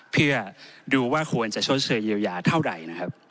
เพื่อดูว่าควรจะชดเชยเยียวยาเท่าไหร่นะครับ